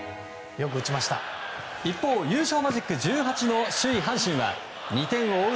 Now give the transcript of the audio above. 一方、優勝マジック１８の首位、阪神は２点を追う